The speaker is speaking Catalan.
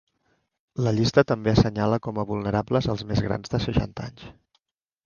La llista també assenyala com a vulnerables els més grans de seixanta anys.